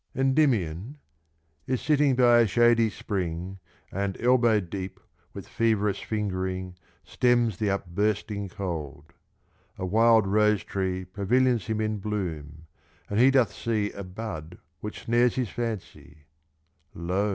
End}mion — is sitting by a shady spring, And elbow deep with feverous fingering Stems the upbursting cold : a wild rose tree Pavilions him in bloom, and he doth see A bud which snares his fancy : lo